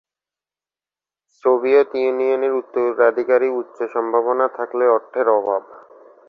Soviet ইউনিয়নের উত্তরাধিকারী উচ্চ সম্ভাবনা থাকলেও অর্থের অভাব।